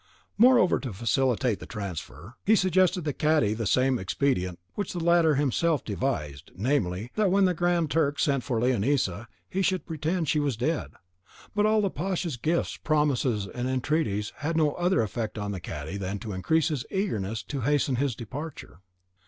Moreover, to facilitate the transfer, he suggested to the cadi the same expedient which the latter had himself devised, namely, that when the Grand Turk sent for Leonisa he should pretend she was dead. But all the pasha's gifts, promises, and entreaties, had no other effect on the cadi than to increase his eagerness to hasten his departure.